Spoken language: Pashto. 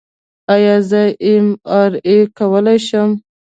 ایا زه ایم آر آی کولی شم؟